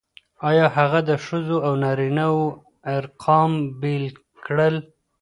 آيا هغه د ښځو او نارينه وو ارقام بېل کړل؟